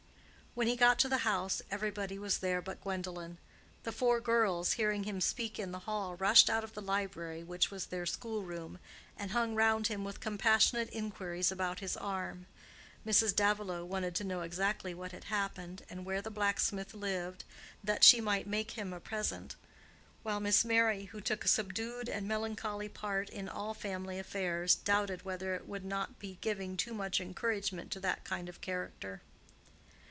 When he got to the house, everybody was there but Gwendolen. The four girls, hearing him speak in the hall, rushed out of the library, which was their school room, and hung round him with compassionate inquiries about his arm. Mrs. Davilow wanted to know exactly what had happened, and where the blacksmith lived, that she might make him a present; while Miss Merry, who took a subdued and melancholy part in all family affairs, doubted whether it would not be giving too much encouragement to that kind of character.